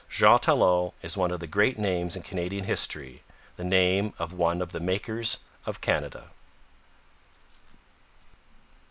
Jean Talon is one of the great names in Canadian history the name of one of the makers of Canada.